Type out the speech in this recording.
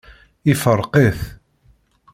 Ifṛeq-it.